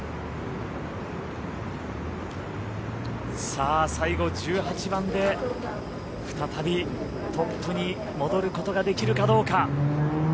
さあ、最後１８番で再びトップに戻ることができるかどうか。